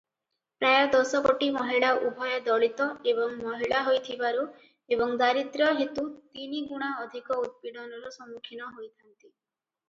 ପ୍ରାୟ ଦଶ କୋଟି ମହିଳା ଉଭୟ ଦଳିତ ଏବଂ ମହିଳା ହୋଇଥିବାରୁ ଏବଂ ଦାରିଦ୍ର୍ୟ ହେତୁ ତିନି ଗୁଣା ଅଧିକ ଉତ୍ପୀଡ଼ନର ସମ୍ମୁଖୀନ ହୋଇଥାନ୍ତି ।